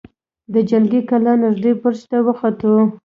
د جنګي کلا نږدې برج ته وخوت.